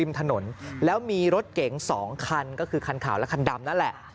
ถนนแล้วมีรถเก๋ง๒คันก็คือคันขาวและคันดำนั่นแหละ